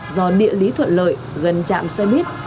do địa lý thuận lợi gần trạm xoay bít